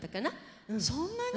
そんなに。